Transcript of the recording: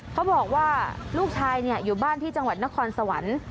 เขาบอกว่าลูกชายอยู่บ้านที่จังหวัดนครสวรรค์